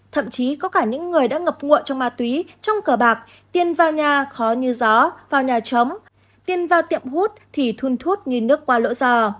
thậm chí có cả những người đã ngập ngụa trong ma túy trong cờ bạc tiền vào nhà khó như gió vào nhà chấm tiền vào tiệm hút thì thun thút như nước qua lỗ giò